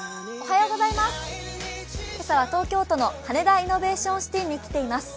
今朝は東京都の羽田イノベーションシティに来ています。